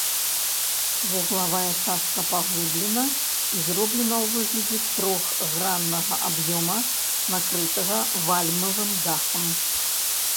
Вуглавая частка паглыблена і зроблена ў выглядае трохграннага аб'ёма, накрытага вальмавым дахам.